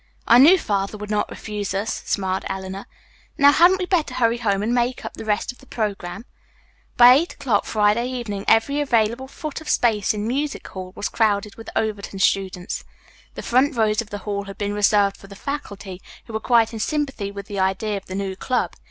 "I knew Father would not refuse us," smiled Eleanor. "Now hadn't we better hurry home and make up the rest of the programme?" By eight o'clock Friday evening every available foot of space in Music Hall was crowded with Overton students. The front rows of the hall had been reserved for the faculty, who were quite in sympathy with the idea of the new club.